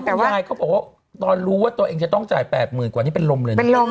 คุณยายเขาบอกว่าตอนรู้ว่าตัวเองจะต้องจ่าย๘๐๐๐กว่านี่เป็นลมเลยนะ